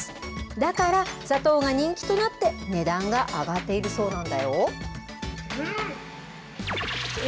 だから砂糖が人気となって値段が上がっているそうなんだよ。